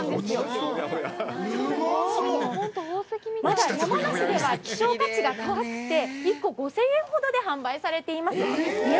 まだ山梨では希少価値が高くて１個５０００円ほどで販売されています。